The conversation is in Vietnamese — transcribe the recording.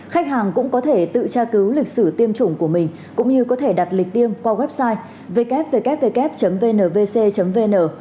khách hàng cũng có thể tự tra cứu lịch sử tiêm chủng của mình cũng như có thể đặt lịch tiêm qua website ww vnvc vn